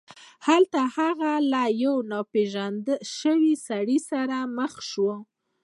هلته هغه له یو ناپيژندل شوي سړي سره مخ شو.